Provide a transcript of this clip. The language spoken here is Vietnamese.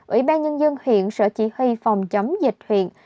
ủy ban nhân dân hiện sở chỉ huy phòng chống dịch huyện